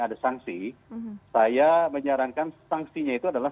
ada sanksi saya menyarankan sanksinya itu adalah